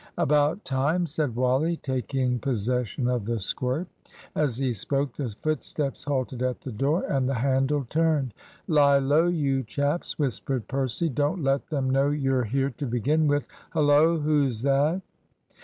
"About time," said Wally, taking possession of the squirt. As he spoke, the footsteps halted at the door, and the handle turned. "Lie low, you chaps," whispered Percy. "Don't let them know you're here to begin with. Hullo! who's that?"